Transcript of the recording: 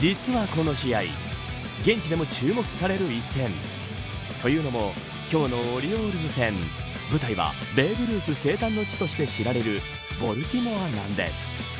実はこの試合現地でも注目される一戦。というのも今日のオリオールズ戦舞台はベーブ・ルース生誕の地として知られるボルティモアなんです。